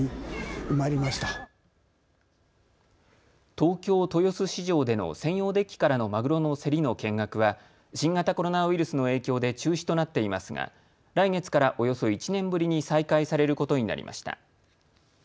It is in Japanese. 東京豊洲市場での専用デッキからのマグロの競りの見学は新型コロナウイルスの影響で中止となっていますが来月からおよそ１年ぶりに再開されることになりました。